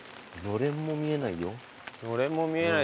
のれんも見えないですね。